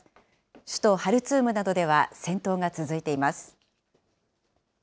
首都ハルツームなどでは戦闘が続いています。